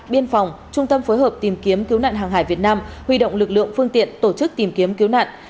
biên phòng trung tâm phối hợp tìm kiếm cứu nạn hàng hải việt nam huy động lực lượng phương tiện tổ chức tìm kiếm cứu nạn